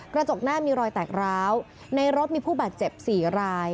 กระจกหน้ามีรอยแตกร้าวในรถมีผู้บาดเจ็บ๔ราย